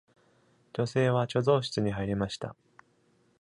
女性は貯蔵室に入りました。